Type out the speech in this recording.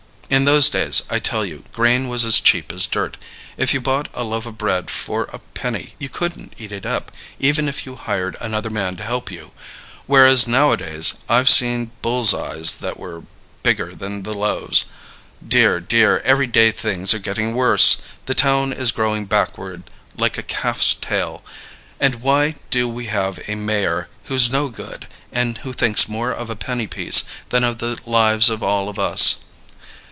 In those days, I tell you, grain was as cheap as dirt. If you bought a loaf of bread for a penny, you couldn't eat it up, even if you hired another man to help you; whereas nowadays, I've seen bulls' eyes that were bigger than the loaves. Dear, dear, every day things are getting worse! The town is growing backward like a calf's tail. And why do we have a mayor who's no good and who thinks more of a penny piece than of the lives of all of us?